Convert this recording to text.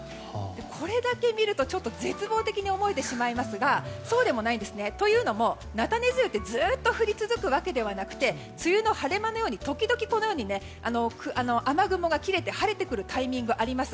これだけ見ると絶望的に思えてしまいますがそうでもないんですね。というのも、なたね梅雨ってずっと降り続くわけじゃなくて梅雨の晴れ間のように時々、雨雲が切れて晴れてくるタイミングがあります。